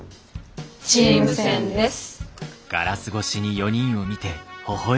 チーム戦です。